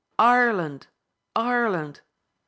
Ireland ! Ireland !